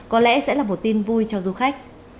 có lẽ sẽ là một tin vui cho du khách